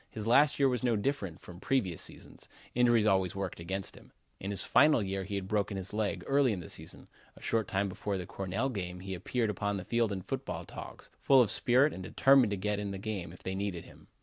His last year was no different from previous seasons; injuries always worked against him. In his final year he had broken his leg early in the season. A short time before the Cornell game he appeared upon the field in football togs, full of spirit and determined to get in the game if they needed him.